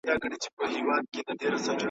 د کوټې چیلم یې هر څوک درباندي خوله لکوي .